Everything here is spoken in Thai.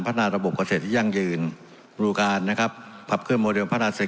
นาระบบเกษตรที่ยั่งยืนรูการนะครับขับเคลืโมเดลพัฒนาเสร็จ